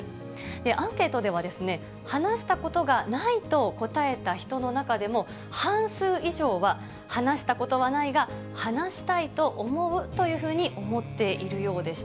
アンケートでは、話したことがないと答えた人の中でも半数以上は、話したことはないが、話したいと思うというふうに思っているようでした。